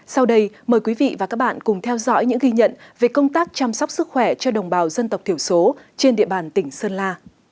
sau đây mời quý vị và các bạn cùng theo dõi những ghi nhận về công tác chăm sóc sức khỏe cho đồng bào dân tộc thiểu số trên địa bàn tỉnh sơn la